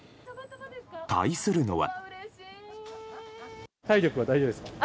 対するのは。